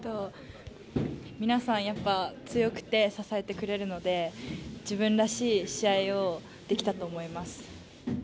皆さん、やっぱり強くて支えてくれるので自分らしい試合をできたと思います。